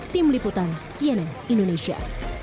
tim liputan cnn indonesia